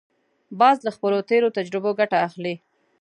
باز له خپلو تېرو تجربو ګټه اخلي